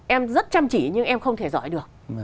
em rất chăm chỉ nhưng em không thể giỏi được